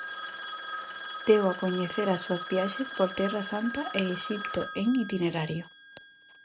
Deu a coñecer as súas viaxes por Terra Santa e Exipto en "Itinerario".